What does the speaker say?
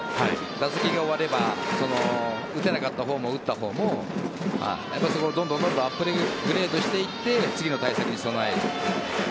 打席が終われば打てなかった部分も打った方もどんどんアップグレードしていって次の対戦に備える。